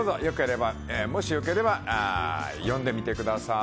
もしよければ読んでみてください。